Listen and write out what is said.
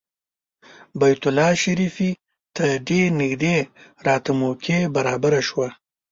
بیت الله شریفې ته ډېر نږدې راته موقع برابره شوه.